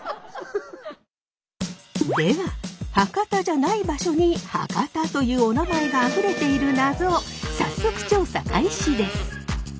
では博多じゃない場所に博多というお名前があふれているナゾ早速調査開始です。